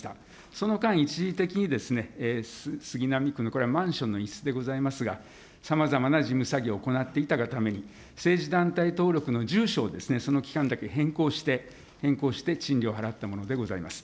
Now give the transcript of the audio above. その間、一時的に、杉並区の、これはマンションの一室でございますが、さまざまな事務作業を行っていたがために、政治団体登録の住所を、その期間だけ変更して、賃料を払ったものでございます。